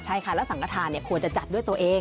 ใช่ค่ะแล้วสังกระทานควรจะจัดด้วยตัวเอง